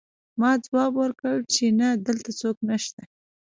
ما ځواب ورکړ چې نه دلته څوک نشته